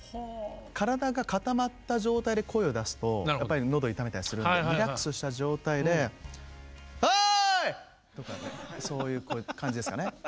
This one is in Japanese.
体が固まった状態で声を出すとやっぱりのど痛めたりするんでリラックスした状態で「ハーイ」とかそういう感じですかね。